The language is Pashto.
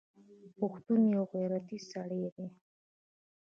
پښتون یوغیرتي سړی دی